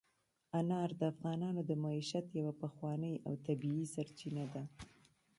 انار د افغانانو د معیشت یوه پخوانۍ او طبیعي سرچینه ده.